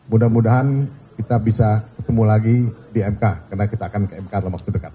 mudah mudahan kita bisa ketemu lagi di mk karena kita akan ke mk dalam waktu dekat